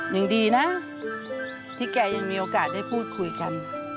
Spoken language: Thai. ยังดีนะที่แกยังมีโอกาสได้พูดคุยกัน